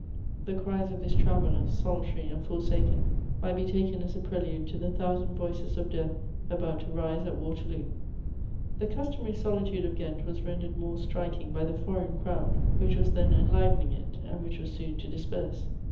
The cries of this traveller, solitary and forsaken, might be taken as a prelude to the thousand voices of death about to rise at Waterloo. The customary solitude of Ghent was rendered more striking by the foreign crowd which was then enlivening it and which was soon to disperse.